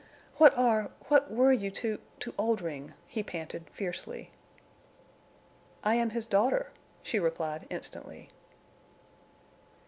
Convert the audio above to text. "What are—what were you to—to Oldring?" he panted, fiercely. "I am his daughter," she replied, instantly.